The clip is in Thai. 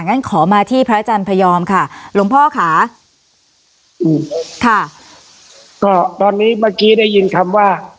งั้นขอมาที่พระอาจารย์พยอมค่ะหลวงพ่อค่ะอืมค่ะก็ตอนนี้เมื่อกี้ได้ยินคำว่า